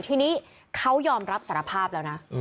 ทีนี้เขายอมรับสารภาพแล้วนะ